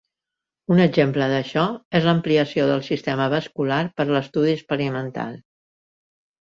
Un exemple d'això és l'ampliació del sistema vascular per a l'estudi experimental.